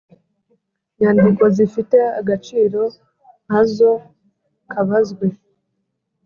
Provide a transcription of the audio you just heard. Nyandiko zifite agaciro nka zo kabazwe